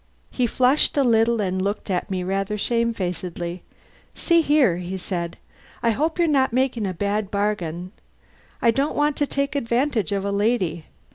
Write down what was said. He flushed a little, and looked at me rather shamefacedly. "See here," he said, "I hope you're not making a bad bargain? I don't want to take advantage of a lady.